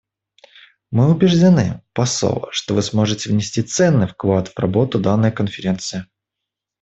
Мы убеждены, посол, что Вы сможете внести ценный вклад в работу данной Конференции.